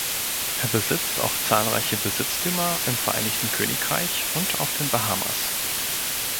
Er besitzt auch zahlreiche Besitztümer im Vereinigten Königreich und auf den Bahamas.